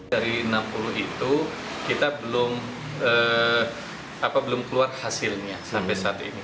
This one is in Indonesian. dari enam puluh itu kita belum keluar hasilnya sampai saat ini